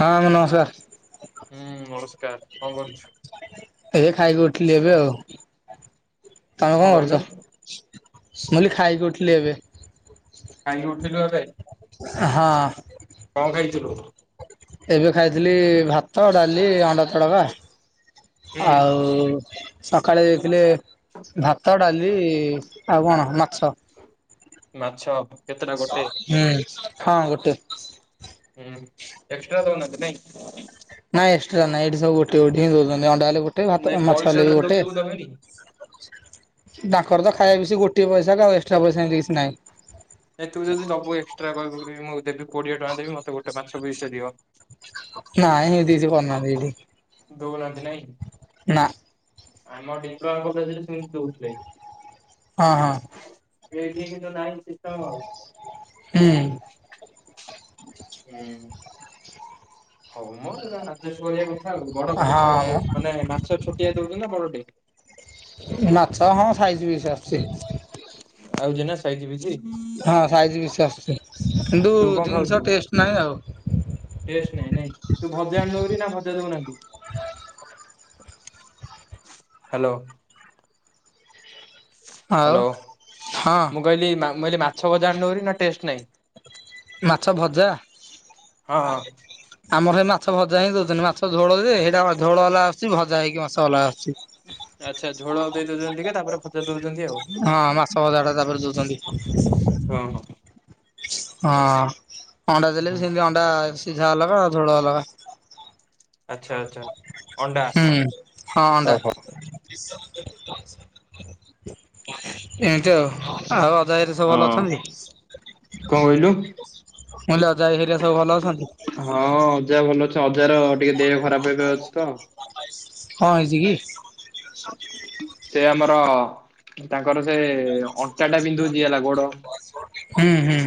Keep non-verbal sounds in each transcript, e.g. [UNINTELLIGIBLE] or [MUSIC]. ହଁ ହୁଁ କଣ କରୁଛୁ ନମସ୍କାର। ଏ ଖାଇକି ଉଠିଲି ଏବେ ଆଉ। ତୋମେ କଣ କରୁଚ? ମୁଁ କହିଲି ଖାଇକି ଉଠିଲି ଏବେ। ଖାଇକି ଉଠିଲୁ ଏବେ? ହଁ। [INAUDIBLE] ଖାଇଥିଲୁ? ଏବେ ଖାଇଥିଲି ଭାତ, ଡାଲି, ଅଣ୍ଡା ତଡକା, ହୁଁ ଆଉ ସକାଳେ ଦେଇଥିଲେ ଭାତ ଡାଲି ଆଉ କଣ ମାଛ। ମାଛ। କେତେଟା ଗୋଟେ ହୁଁ ହଁ ଗୋଟେ ହୁଁ ଏକ୍ସଟ୍ରା ଦଉନାହାନ୍ତି ନାଇଁ? ନାଇଁ ଏକ୍ସଟା ନାଇଁ ଏଠି ସବୁ ଗୋଟିଏ ଗୋଟିଏ ହିଁ ଦଉଛନ୍ତି ଅଣ୍ଡା ହେଲେ ଗୋଟେ ନାଇଁ ଭାତ ମାଛ ପଇସା ହେଲେ ବି ଯଦି ଗୋଟେ ଦବୁ ଦେବେନି ଖର ବା ଖାଇବା ମିଶି ଗୋଟିଏ ପଇସା ଆଉ ଏକ୍ସଟ୍ରା ପଇସା ଏମତି କିଛି ନାହିଁ। ଏ ତୁ ଯଦି ଦବୁ ଏକ୍ସଟ୍ରା କହିବୁ ମୁଁ ଦେବି କୋଡିଏ ଟଙ୍କା ଦେବି ମତେ ଗୋଟେ ମାଛ ପିସ ଟେ ଦିଅ। ନାଁଇ ହେନ୍ତି କିଛି କରିନାହାନ୍ତିି ଏଠି ଦଉନାହାନ୍ତି ନାଇଁ ନା ଆମ ଡିିପ୍ଲୋମା କଲେଜରେ ସେମିତି ଦଉଥିଲେ ହଁ ହଁ। ଏଇଠି କିନ୍ତୁ ନାଇଁ ସିଷ୍ଟମ ଆଉ ହୁଁ ହୁଁ। ହଉ ମୋର ଆଡଜଷ୍ଟ କରିବା କଥା ଆଉ ହଁ ବଡ ମ ମାନେ ମାଛ ଛୋଟିଆ ଦଉ ସୁନ୍ତି ନା ବଡଟେ? ମାଛ ହଁ ସାଇଜ ବେଶି ଆସିଛି। ଆଉ ଚି ନା ସାଇଯି ପିସ୍ ହଁ ସାଇଜ ବେଶି ଆସିଛି କିନ୍ତୁ ତୁ କଣ ଖାଉଛୁ? ଜିନିଷ ଟେଷ୍ଟ ନାହିଁ ଆଉ। ଟେଷ୍ଟ ନାହିଁ ନାଇଁ ତୁ ଭଜା ଆଣିଦଉ ନାଁ ଭଜା ଦଉନାହାନ୍ତି। ହ୍ୟାଲୋ। ଆଉ ହ୍ୟାଲୋ ହଁ ମୁଁ କହିଲି କହିଲି ମାଛ ଭଜା ଆଣୁନୁଭାରି ନାଁ ଟେଷ୍ଟ ନାହିଁ। ମାଛ ଭଜା? ହଁ ହଁ ଆମର ସେଇ ମାଛ ଭଜା ହିଁ ଦଉଛନ୍ତି ମାଛ ଝୋଳ ଯେ ହେଇଟା ଝୋଳ ଅଲଗା ଆସଛି ଭଜା ହେଇକି ମାଛ ଅଲଗା ଆସୁଛି। ଆଚ୍ଛା ଝୋଳ ଦେଇ ଦଉଛନ୍ତି ଟିକେ ତାପରେ ଭଜା ଦଉଛନ୍ତି। ଆଉ। ହଁ ମାଛ ଭଜା ଟା ତାପରେ ଦଉଛନ୍ତି। ହଁ ହଁ ଅଣ୍ଡା ଦେଲେ ବି ହଁ ସେମିତି ଅଣ୍ଡା ସିଝା ଅଲଗା ଝୋଳ ଅଲଗା। ଆଚ୍ଛା ଆଚ୍ଛା। ଅଣ୍ଡା ହୁଁ ହଁ ଅଣ୍ଡା ଓହୋ। ଏମିତି ଆଉ ଆଉ ଅଜା ଆଈ ସବୁ ଭଲ ହଁ ଅଛନ୍ତି? କଣ କହିଲୁ ଅଜା ଆଇ ହେରିକା ସବୁ ଭଲ ଅଛନ୍ତି? ହଁ ଅଜା ଭଲ ଅଛ। ଅଜାର ଟିକେ ଦେହ ଖରାପ ଏବେ ଅଛି ତ। କଁଅ ହେଇଚି କି? ସେ ଆମର ତାଙ୍କର ସେ ଅଣ୍ଟା ଟା ବିନ୍ଧୁଛିି ହେଲା ଗୋଡ ହୁଁ ହୁଁ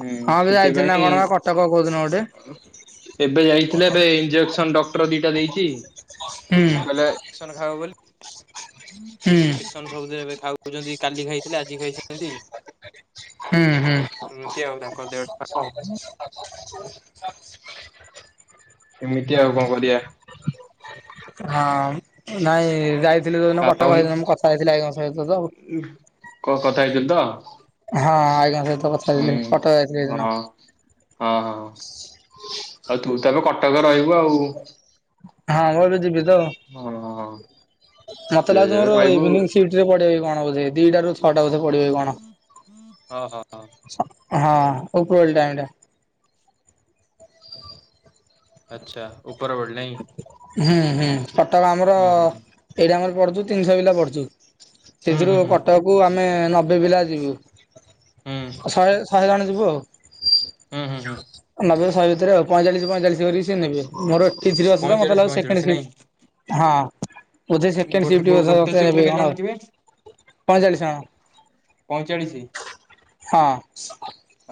ହୁଁ ହଁ ବି ଯାଇଥିଲି ନା ସେଥିପାଇଁ କଣ ବା କଟକ କୋଉଦିନ ଗୋଟେ ଏବେ ଯାଇଥିଲେ ଏବେ ଇଞ୍ଜେକ୍ସନ ଡକ୍ଟର ଦିଟା ଦେଇଛି। ହୁଁ କହିଲେ ଏସନ ଖାଇବ ବୋଲି ହୁଁ ସନ୍ ସବୁଦିନ ଏବେ ଖାଉଛନ୍ତି କାଲି ଖାଇଥିଲେ ଆଜି ଖାଇଛନ୍ତି। ହୁଁ ହୁଁ। ଏମିତି ଆଉ ତାଙ୍କ ଦେହ ଟା [UNINTELLIGIBLE] ଏମତି ଆଉ କଣ କରିବା। ହଁ ନାଇଁ ଯାଇ ଥିଲି ଯୋଉ ଦିନ ଆଉ କଟକ ହେଇଦିନ ମୁ କଥା ହେଇଥିଲି ଆଇଙ୍କ ସହିତ ତ କ କଥା ହେଇଥିଲୁ ତ ଆଜ୍ଞା ସହିତ କଥା ହେଇଥିଲି କଟକ ଯାଇଥିଲି ହୁଁ ଏଇଦିନ ହଁ ହଁ ହଁ ତୁ ତେବେ କଟକରେ ରହିବୁ ଆଉ। ହଁ ମୁଁ ଏ ବି ଯିବି ତ ଆଉ ହଁ ହଁ ମତେ ତୁ ଲାଗୁଚି ଏବେ ମୋର ରହିବୁ ଇଭିନିଂ ସିଫ୍ଟ ରେ ପଡିବ କି କଣ ବଧେ ଦିଟା ରୁ ଛଅଟା ବଧେ ପଡିବ କି କଣ। ଓହୋ ହଁ ଉପରଓଳି ଟାଇମଟା। ଆଚ୍ଛା ଉପ ହୁଁ ହୁଁ କଟକ ଆମର ହୁଁ ଏଇଢ଼େ ଆମର ପଡୁଛୁ ତିନିଶହ ପିଲା ପଡୁଛୁ। ହୁଁ ସେଥିରୁ ହୁଁ ହୁଁ କଟକକୁ ଆମେ ନବେ ପିଲା ଯିବୁ ହୁଁ ଶହେ ଶହେ ଜଣ ଯିବୁ ଆଉ, ହୁଁ ହୁଁ ହୁଁ ହୁଁ ନବେ ଅ ଭିତରେ ଆଉ ପଇଁଚାଳିଶ ପଈଁଚାଳିଶ କରି ସେ ନେବେ। [UNINTELLIGIBLE] ପଇଁଚାଳିଶ ମତେଲାଗୁଚି ସେକେଣ୍ଡ ପଇଁଚାଳିଶ ସିଫ୍ଟ ନାଇଁ ହଁ। ବଧେ ସେକେଣ୍ଡ ସିଫ୍ଟ ଗୋଟେ ଗୋଟେ [UNINTELLIGIBLE] ନେ ସିଫ୍ଟରେ କେତେ କଣ ଆଉ ଜଣ ଥିବେ ପଇଁଚାଳିଶ ଜଣ। ପଇଁଚାଳିଶ ହଁ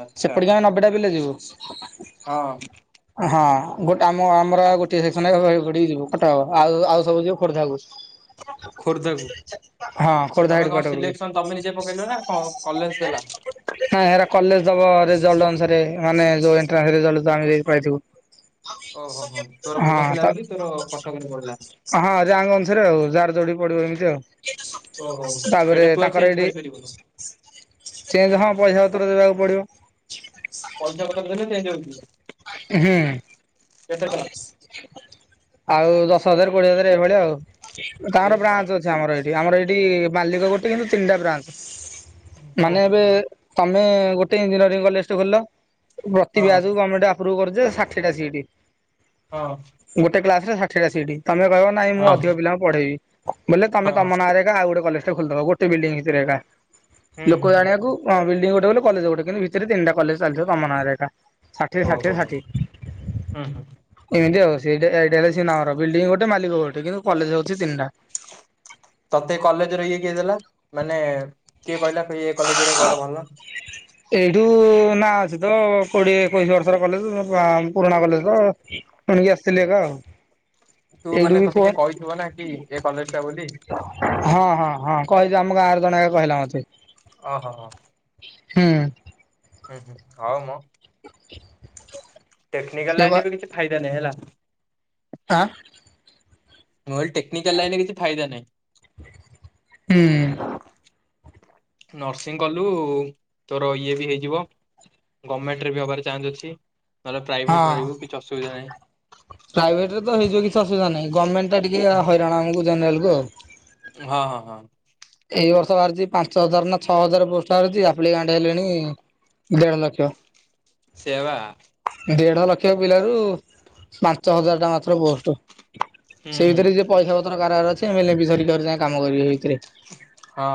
ଆଚ୍ଛା ସେପଟିକି ଆମେ ନବେଟା ପିଲା ଯିବୁ। ହଁ। ହଁ ଗୋଟେ ଆମ ଆମର ଅଉ ଗୋଟେ ସେକ୍ସନ [UNINTELLIGIBLE] ଆଉ ଆଉ ସବୁ ଯିବ ଖୋର୍ଦ୍ଧାକୁ। ଖୋର୍ଦ୍ଧାକୁ ହଁ ଖୋର୍ଦ୍ଧା ହେଡ ତମେ କଣ କ୍ୱାର୍ଟରକୁ ସିଲେକ୍ସନ ତମେ ନିଜେ ପକେଇଲ ନା କଣ କଲେଜ ଦେଲା। ହଁ ହେରା କଲେଜ ତମ ରେଜଲ୍ଟ ଅନୁସାରେ ମାନେ ଜଉ ଏଣ୍ଟ୍ରାନ୍ସ ରେଜଲ୍ଟ [UNINTELLIGIBLE] ପାଇଥିବ। ଓ ହୋ ହୋ ତୋର ଭଲ ଥିଲା ବୋଲି ତୋର କଟକ ରେ ପଢିଲା। ହଁ ଜାଙ୍ଗ ଅନୁସାରେ ଆଉ ଜାର ଯୋଉଠି ପଡିବ ଏମିତି ଆଉ। ଓହୋ ତାପରେ ସେଇଟା ତୁ ଆଉ ତାଙ୍କର ଚେଞ୍ଜ ଏଠି କରିପାରିବୁନୁ। ଚେଁଚ ହଁ ପଇସା ପତ୍ର କରିବାକୁ ପଡିବ। ପଇସା ପତ୍ର ଦେଲେ [UNINTELLIGIBLE] ହଉଛି। ହୁଁ। କେତେ ଟଙ୍କା ଆଉ ଦଶ ହଜାର କୋଡିଏ ହଜାର ଏଇଭଳିଆ ଆଉ ତାହାର ଏ ବ୍ରାଞ୍ଚ ଶହେ ଅଛି ଆମର ଏଠି। ଆମର ଏଇଠି ମାଲିକ ଗୋଟେ କିନ୍ତୁ ତିନିଟା ବ୍ରାଞ୍ଚ, ହଉ ମାନେ ହଉ ଏବେ ହଉ। ଆମେ ଗୋଟେ ଇଞ୍ଜିନିୟରିଂ କଲେଜ ଖୋଲିଲ ପ୍ରତି ହଁ ବେଆଚ କୁ ଗୋମେଣ୍ଟ [UNINTELLIGIBLE] ଷାଠିଏଟା ସିଟି। ହଁ। ଶାଠିଏ ଟା ସିଟି ତମେ କହିବ ନାଇଁ ମୁଁ ହଁ ଅଧିକ ପିଲାଙ୍କୁ ପଢେଇବି, ବୋଲେ ତମେ ହଁ ତମ ନାଁରେ ଏକା ଆଉ ଗୋଟେ କଲେଜ [UNINTELLIGIBLE] ଖୋଲିଦବ ଗୋଟେ ବିଲଡିଙ୍ଗ ଭିତରେ ଏକା ହୁଁ ଲୋକ ହୁଁ ହୁଁ ଜାଣିବାକୁ ବିଲଡିଂ ଗୋ ଗୋଟେ ବୋଲି କଲେଜ୍ ଗୋଟେ କିନ୍ତୁ ଭିତରେ ତିନଟା କଲେଜ୍ ଚାଲିଥିବ ତମ ନାଁ ରେ ଏକା ଷାଠିଏ ଷାଠି ଓହୋ ହୋ ଷାଠିଏ ହୁଁ ହୁଁ। ଏମିତି ଆଉ [UNINTELLIGIBLE] ବିଲ୍ଡିଂ ଗୋ ମାଲିକ ଗୋଟେ କିନ୍ତୁ କଲେଜ ହଉଛି ତିନିଟା। ତତେ କଲେଜର ଇଏ କିଏ ଦେଲା? ମାନେ କିଏ କହିଲା ତ ଏ କଲେଜରେ କୁଆଡେ ଭଲ? ଏଇଠୁ ନା ଅଛି ତ କୋଡିଏ ଏକୋଇଶି ବର୍ଷର କଲେଜ ଆ ପୁରୁଣା କଲେଜ ଶୁଣିକି ଆସିଥିଲି ଏକା ଆଉ ତୁ ଏଇଠୁ ମାନେ ବି ତତେ ଫୋନ କିଏ କହିଥିବ ନା କି ଏ କଲେଜଟା ବୋଲି। କହଦିଅ ଆମ ଗାଁରୁ ଜଣେ କହିଲା ମତେ। ଓ ହୋ ହ ହୁଁ। [UNINTELLIGIBLE] [INAUDIBLE] ଟେକ୍ନିକାଲ ସେ ବା ଲାଇନ ରେ ବି କିଛି ଫାଇଦା ନାହିଁ ହେଲା। ଆଁ। ନହେଲେ ଟେକ୍ନିକାଲ ଲାଇନରେ କିଛି ଫାଇଦା ନାହିଁ। ହୁଁ। ନର୍ସିଂ କଲୁ ତୋର ଇଏ ବି ହେଇଯିବ। ଗମେଣ୍ଟରେ ବି ହବାର ଚାନ୍ସ ଅଛି, ନହେଲେ ପ୍ରାଇଭେଟ୍ ହଁ ରହିବୁ କିଛି ଅସୁବିଧା ନାହିଁ। ପ୍ରାଇଭେଟରେ ତ ହେଇଯିବ କିଛି ଅସୁବିଧା ନାହିଁ, ଗମେଣ୍ଟଟା ଟିକେ ହୁଁ, ହଇରାଣ ଆମୁକୁ ଜେନେରାଲ କୁ ଆଉ। ହଁ ହଁ ହଁ। ଏଇ ବର୍ଷ ବାହାରିଛି ପାଞ୍ଚ ହଜାର ନା ଛଅ ହଜାର ପୋଷ୍ଟ ବାହାରିଚି, ଆପ୍ଲିକାଣ୍ଟ ହେଲେଣି ଦେଢ଼ ଲକ୍ଷ। ସେବା ଦେଢ ଲକ୍ଷ ପିଲାରୁ ପାଞ୍ଚ ହଜାର ଟା ମାତ୍ର ପୋଷ୍ଟ। ହୁଁ ସେଇ ଭିତରେ ବି ଯିଏ ପଇସା ପତର କାରବାର ଅଛି, [UNINTELLIGIBLE] ଯିଏ କାମ କରିବେ। [UNINTELLIGIBLE] ହଁ।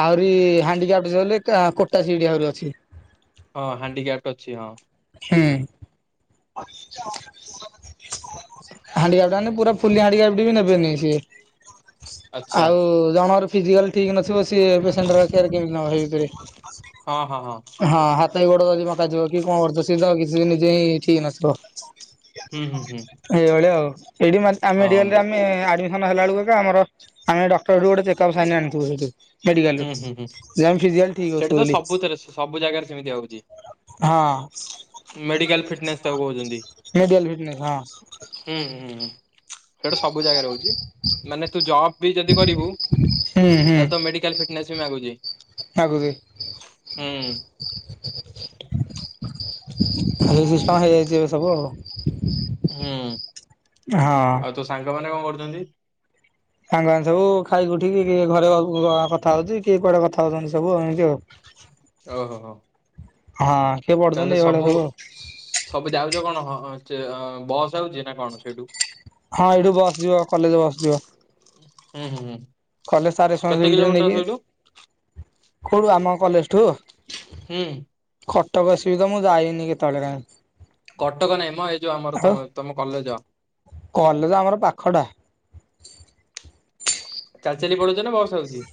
ଆହୁରି ହାଣ୍ଡିକାପଟ୍ସ୍ ସଇଲେ କା କୋଟା ସିଟ୍ ଆହୁରି ଅଛି। ହଁ ହାଣ୍ଡିିକ୍ୟାଫ୍ଟ୍ ଅଛି ହଁ। ହୁଁ। ହାଣ୍ଡିକ୍ୟାପ୍ଡ୍ ମାନେ ପୁରା ଫୁଲି ହାଣ୍ଡିକ୍ୟାପଡ ବି ନେବେନି ସିଏ। ଆଚ୍ଛା ଆଉ ଜଣଙ୍କର ଫିଜିକାଲ ଠିକ୍ ନଥିବ ସିଏ ପେସେଣ୍ଟର କେୟାର କେମିତି ନବ ହେଇ ଭିତରେ। ହଁ ହଁ ହଁ। ତା ଗୋଡ଼ ଯଦି ବଙ୍କା ଥିବ କି କଣ କରୁଥିବ ସିଏ ତ କିଛି ଦି ନିଜେ ହିଁ ଠିକ୍ ନଥିବ। ହୁଁ ହୁଁ ହୁଁ। ଏଠି ମା ଆମେ ହଁ ମେଡିକାଲରେ ମ। ଆମେ ଆଡମି ସନ୍ ହେଲା ବେଳୁକୁ ଏକା ଆମର ଆମେ ଡକ୍ଟରରୁ ଗୋଟେ ଚେକପ ସାଇନ୍ ଆଣିଥିବୁ ହେଇଠୁ। ମେଡିକାଲରୁ ହୁଁ ହୁଁ ହୁଁ ଯେ ଆମେ ଫିଜିକାଲ ଠିକ ଅଛୁ ସେଠି ତ ବୋଲି। ସବୁଥିରେ ସବୁ ଜାଗାରେ ସେମିତି ହଉଛି ହଁ। ମେଡିକାଲ ଫିଟନେସ୍ ତାକୁ କହୁଛନ୍ତି। ନି ହଁ ହୁଁ ହୁଁ ହୁଁ ସେଇଟା ସବୁ ଜାଗା ରହୁଛି ମାନେ ତୁ ଜବ୍ ବି ଯଦି କରିବୁ ତାହେଲେ ତୋ ମେଡିକାଲ ଫିଟନେସ୍ ବି ମାଗୁଛି ଆଗୁଦେ ଏଇ ହୁଁ ସିଷ୍ଟମ ହେଇଯାଇଛି ଏବେ ସବୁ ଆଉ ହୁଁ ହଁ। ଆଉ ତୋ ସାଙ୍ଗ ମାନେ କଣ କରୁଛନ୍ତି? ସାଙ୍ଗମାନେ ସବୁ ଖାଇକି ଉଠିକି କିଏ ଘରେ ବା କଥା ହଉଛି କିଏ କୁଆଡେ କଥା ହଉଛନ୍ତି ସବୁ ଏମିତି ଆଉ। ଓହୋ ହୋ। ହଁ। କିଏ ତାହେଲେ ପଢୁଛନ୍ତି ଏଇଭଳିଆ ସବୁ ଆଉ ସବୁ ଯାଉଛ କଣ? ହଁ ଯେ ବସ୍ ଯାଉଚି ନା କଣ ସେଇଠୁ? ହଁ ଏଇଠୁ ବସ ଯିବ କଲେଜ ବସ୍ ଯିବ। ହୁଁ ହୁଁ ହୁଁ। କଲେଜ ସାର୍ କେତେ [UNINTELLIGIBLE] କିଲୋମିଟର କହିଲୁ? ନେଇକି କୋଉଠୁ ଆମ କଲେଜଠୁ? ହୁଁ। କଟକ ଏ ସି ବି ତ ମୁଁ ଯାଇନି କେତେବେଳେ କାଇଁ। କଟକ ନାଇଁ ମ ଏଇ ଯୋଉ ଆମର ଆଉ। ତମ ତମ କଲେଜ। କଲେଜ ଆମର ପାଖଟା। ଚାଲି ଚାଲି ପଳଉଛ ନା ବସ ଯାଉଛି?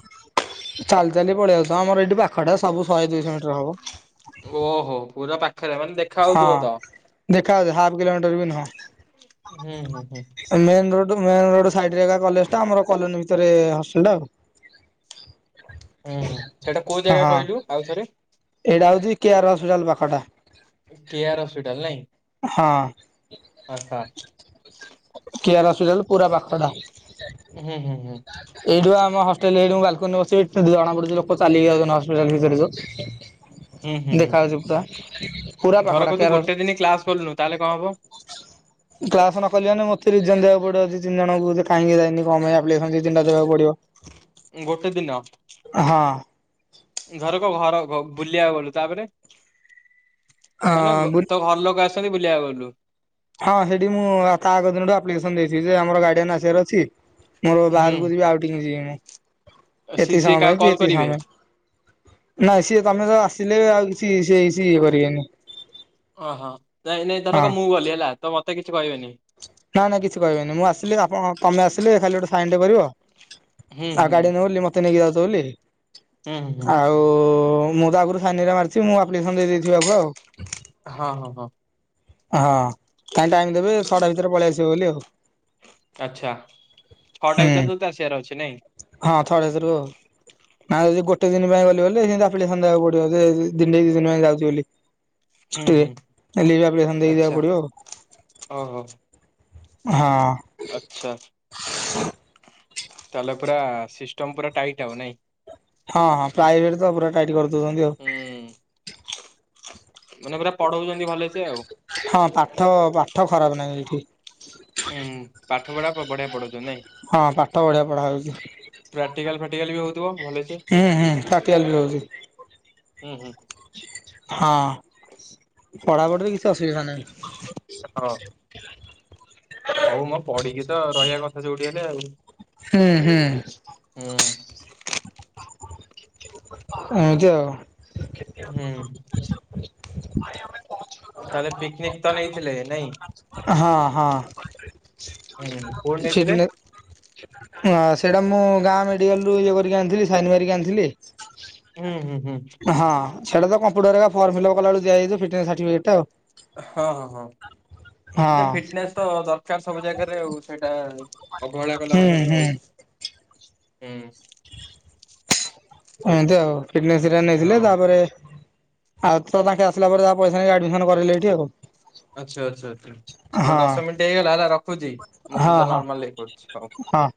ଚାଲି ଚାଲି ପଳେଇଆଉଚୁ ଆମର ଏଇଠି ପାଖଟା ସବୁ ଶହେ ଦୁଇଶହ ମିଟର ହବ। ଓହୋ ପୁରା ପା ହଁ ଦେଖା ଯାଉଚି ହାଫ କିଲୋମିଟର ବି ନୁହଁ। ହୁଁ ହୁଁ ହୁଁ। ତ ମେନ ରୋଡ ସାଇଡ୍ ରେ ଏକା କଲେଜ ଟା ଆମର କଲୋନି ଭିତରେ ହଷ୍ଟେଲ ଟା ଆଉ। ହୁଁ ହୁଁ ସେଇଟା କୋଉ ଜାଗା କହିଲୁ ଆଉଥରେ। କେୟାର ହସ୍ପିଟାଲ ପାଖ ଟା। କେଆର ହସ୍ପିଟାଲ ନାଇଁ। ହଁ। ଆଛା। କେୟାର ହସ୍ପିଟାଲ ପୁରା ପାଖଟା। ହୁଁ ହୁଁ ହୁଁ। ଟୋଟାଲି ହେଇଟି ମୁଁ ବାଲକୋନୀରେ ବସିଥିବି। ଜଣା ପଡୁଚି ଲୋକ ଚାଲିକି ଯାଉଛନ୍ତି। ହସ୍ପିଟାଲ ଭିତରେ ଯୋଉ ହୁଁ ହୁଁ ହୁଁ। ଦେଖାଯାଉଛି ପୁରା ପୁରା ପାଖ ଧରକ ଟା ତୁ କେ୍ୟରର ଗୋଟେ ଦିନ କ୍ଲାସ କଲୁନୁ ତାହେଲେ କଣ ହବ କ୍ଲାସ ନ କଲି ମାନେ ମତେ ରିଜନ ଦେବାକୁ ପଡିବ ଦି ତିନି ଜଣଙ୍କୁ ଯେ କାଇଁକି ଯାଇନି କଣ ପାଇଁ [UNINTELLIGIBLE] ଦି ତିନଟା ଦେବାକୁ ପଡିବ, ହଁ। ଘର କ ଘର ବୁଲିବାକୁ ଗଲୁ ତାପରେ। ହଁ ମାନେ ବୁଲ ତ ଘର ଲୋକ ଆସିଚନ୍ତି ବୁଲିବାକୁ ଗଲୁ। ହଁ ସେଠି ମୁଁ ତା ଆଗ ଦିନଠୁ ଆପ୍ଲିକେସନ ଦେଇଛି। ଯେ ଆମର ଗାର୍ଡିଆନ ଆସିବାର ଅଛି ମୋର ହୁଁ ବାହାରକୁ ଯିବି ଆଉ ଟିକେ ଯିବି ମୁଁ ସିଏ ଏତିକି ସିଏ ସମୟ କାହାକୁ ପାଇଁ କି କଲ୍ ଏତିକି କରିବେ? ସମୟ। ନାଇଁ ସିଏ ତମେ ତ ଆସିଲେ ଆଉ କିଛି ସିଏ ସିଏ ସେ ଇଏ କରିବେନି। ଓହୋ ନାଇଁ ନାଇଁ ଧରକ ମୁଁ ଗଲି ହେଲା ତ ମତେ କିଛି କହିବେନି। ନାଇ ନାଇଁ କିଛି କହିବେନି ମୁଁ ଆସିଲି ଆପଣ ତମେ ଆସିଲେ ଖାଲି ଗୋଟେ ସାଇନ ଟେ କରିବ। ହୁଁ ହୁଁ ଆଉ ଗାଡିଆନ ବୋଲି ମତେ ନେଇକି ଯାଉଚ ବୋଲି। ହୁଁ ହୁଁ ଆଉ ମୁଁ ତ ଆଗରୁ ସାଇନ ହେରାକ ମାର [UNINTELLIGIBLE] ମୁଁ ଆପ୍ଲିକସନ ଦେଇ ଦେଇେଥିବି ହଁ ହଁ ଆଗୁଆଉ। ହଁ ହଁ ତାଙ୍କେ ଟାଇମ ଦେବେ ଛଅଟା ଭିତରେ ପଳେଇ ଆସିବେ ବୋଲି ଆଉ। ଆଚ୍ଛା ଛଅଟା ହୁଁ ଭିତରେ ତତେ ଆସିବାର ଅଛି ନାଇଁ। ହଁ ଛଅଟା ସରୁ। ନା ଯଦି ଗୋଟେ ଦିନ ପାଇଁ ଗଲି ବେଲେ ସେମତି ଆପ୍ଲିକେସନ ଦେବାକୁ ପଡିବ ଯେ ଦିନେ ଦିଇ ଦିନ ପାଇଁ ଯାଉଚି ବୋଲି। ହୁଁ ଛୁଟିରେ ହୁଁ ହେଲେ ବି ଆପ୍ଲିକେସନ ଦେଇକି ଆଚ୍ଛା ଜିବାକୁ ପଡିବ ଆଉ। ଓହୋ ହଁ। ଆଚ୍ଛା ତାହେଲେ ପୁରା ସିଷ୍ଟମ ପୁରା ଟାଇଟ୍ ଆଉ ନାଇଁ। ହଁ ହଁ ହୁଁ ପ୍ରାଇଭେଟ ତ ପୁରା ଟାଇଟ କରିଦଉଛନ୍ତି ଆଉ। ମାନେ ପୁରା ପଢୋଉଚନ୍ତି ଭଲସେ ଆଉ। ହଁ ପାଠ ପାଠ ଖରାପ ନାହିଁ ଏଇଠି। ହୁଁ ପାଠ ପଢା ବଢିଆ ପଢଉଛନ୍ତି। ନାଇଁ? ହଁ ପାଠ ବଢିଆ ପଢ଼ା ହେଉଚି। ଏଲବି ହଉ ଥିବ ହୁଁ ହୁଁ କାଟି ଆଲବି ହଉଛି। ହୁଁ ହୁଁ। ହଁ ପଢାପଢିରେ କିଛି ଅସୁବିଧା ନାହିଁ। ହାଲୋ ହଉ ମୋର ପଢିକି ତ ରହିବା କଥା ଯୋଉଠି ହେଲେ ଆଉ। ହୁଁ ହୁଁ। ହୁଁ। ଏମତି ଆଉ ହୁଁ। ଭାଇ ଆମେ ଥିଲେ ନାଇଁ ହଁ ହଁ। ହୁଁ କୋଠି ନେଇଥିଲେ? ଫିଟନେ ହଁ ସେଇଟା ମୁଁ ଗାଁ ମେଡିକାଲ ରୁ ଇଏ କରିକି ଆଣିଥିଲି ସାଇନ ମାରିକି ଆଣିଥିଲି। ହୁଁ ହୁଁ ହୁଁ ହଁ ସେଇଟା ତ କମ୍ପୁଟର ଏରା ଫର୍ମ୍ପଫିଲିପ୍ କଲାବେଳକୁ ଦିଆ ହେଇଯାଇଚି ଫିଟ୍ନେସ୍ ସାର୍ଟିଫିକେଟ୍ ଆଉ। ହଁ ହଁ ହଁ। ଫିଟନେସ୍ ତ ଦରକାର ସବୁ ଜାଗାରେ ଆଉ ସେଇଟା ଅବହେଳା କଲେ ହଁ ହବନି ହୁଁ ହୁଁ ଆଉ। ହୁଁ। ଏମିତି ଆଉ ଫିଟନେସ୍ ରେ ନେଇଥିଲେ ହଁ ତାପରେ ଆଉ ତ ତାଙ୍କେ ଆସିଲା ପରେ ଜାହା ପଇସା ନେଇକି ଆଡମିସନ୍ କରେଇଲେ ଏଠି ଆଉ। ଆଚ୍ଛା ଆଚ୍ଛା ଆଛା। ହଉ ହଁ ଦଶ ମିନିଟ୍ ହେଇଗଲା ହେଲା ରଖୁଚି ମୁଁ ତୁ ହଁ ସହ ହଁ ନର୍ମାଲ ହେଇ କରୁଚି ହଉ। ହଁ।